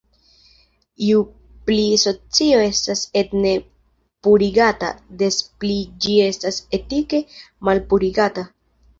Ju pli socio estas etne purigata, des pli ĝi estas etike malpurigata.